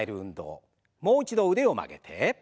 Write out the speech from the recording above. もう一度腕を曲げて。